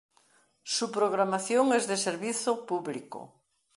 Su programación es de servizo público.